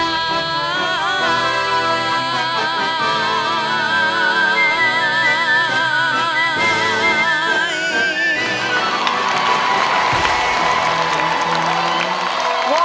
เรือนตา